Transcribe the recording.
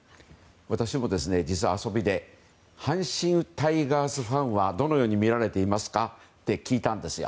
私も、実は遊びで阪神タイガースファンはどのように見られていますかと聞いたんですよ。